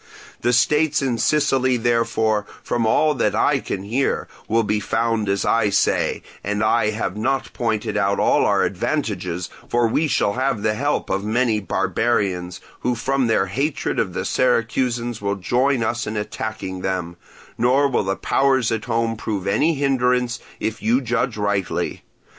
The states in Sicily, therefore, from all that I can hear, will be found as I say, and I have not pointed out all our advantages, for we shall have the help of many barbarians, who from their hatred of the Syracusans will join us in attacking them; nor will the powers at home prove any hindrance, if you judge rightly.